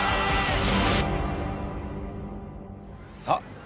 さあ